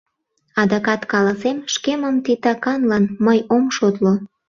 — Адакат каласем; шкемым титаканлан мый ом шотло.